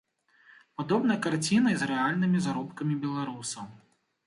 Падобная карціна і з рэальнымі заробкамі беларусаў.